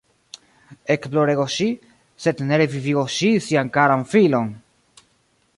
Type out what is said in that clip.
Ekploregos ŝi, sed ne revivigos ŝi sian karan filon!